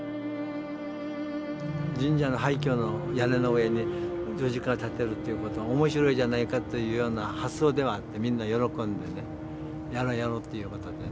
神社の廃虚の屋根の上に十字架を立てるということは面白いじゃないかというような発想ではあってみんな喜んでね「やろうやろう」ということで。